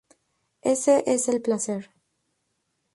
Ese es el placer.